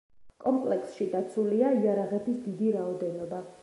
კომპლექსში დაცულია იარაღების დიდი რაოდენობა.